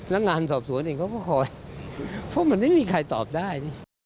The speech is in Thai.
แล้วงานสอบสวนเองเขาก็คอยเพราะมันไม่มีใครตอบได้